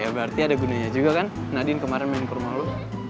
ya berarti ada gunanya juga kan nadine kemarin main ke rumah lo